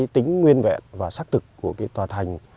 tính nguyên vẹn và xác thực của tòa thành